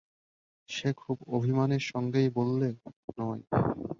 সে খুব অভিমানের সঙ্গেই বললে, নয়।